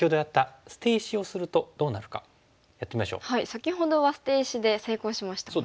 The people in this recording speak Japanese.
先ほどは捨て石で成功しましたもんね。